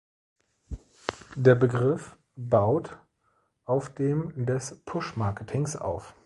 Der Begriff baut auf dem des Push-Marketings auf.